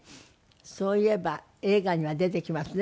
そういえば映画には出てきますね